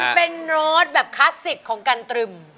มันเป็นโน้ตแบบคลาสสิคของกันตรึม